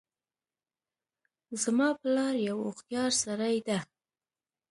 زما پلار یو هوښیارسړی ده